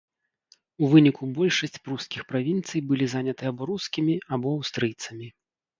У выніку большасць прускіх правінцый былі заняты або рускімі, або аўстрыйцамі.